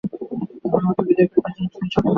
এখন উহাকে বিদায় করিবার জন্য চুনি ছটফট করিতেছে।